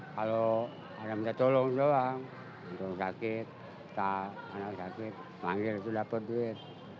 kalau ada yang minta tolong doang untuk sakit kita anak sakit manggil itu dapat duit